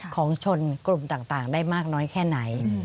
ของชนกลุ่มต่างได้มากน้อยแค่ไหน